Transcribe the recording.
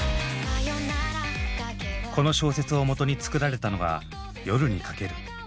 この小説をもとに作られたのが「夜に駆ける」。